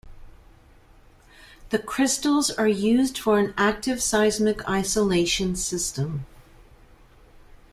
The crystals are used for an 'active seismic isolation system'.